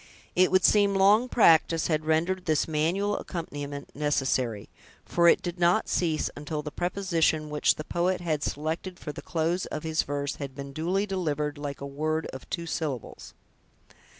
It would seem long practice had rendered this manual accompaniment necessary; for it did not cease until the preposition which the poet had selected for the close of his verse had been duly delivered like a word of two syllables.